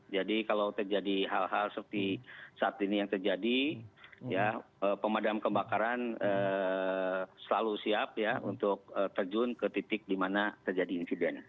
jadi kalau terjadi hal hal seperti saat ini yang terjadi ya pemadam kebakaran selalu siap ya untuk terjun ke titik dimana terjadi insiden